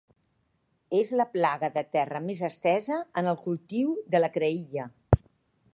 És la plaga de terra més estesa en el cultiu de la creïlla.